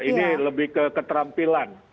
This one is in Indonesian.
ini lebih ke keterampilan